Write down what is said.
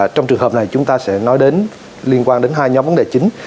trong trường hợp này chúng ta sẽ nói đến liên quan đến hai nhóm vấn đề chính